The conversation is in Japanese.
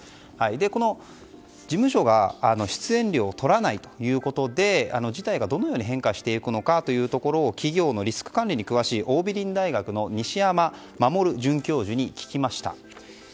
この、事務所が出演料をとらないということで事態がどのように変化していくのかというところを企業のリスク管理に詳しい桜美林大学の西山守准教授に聞きました。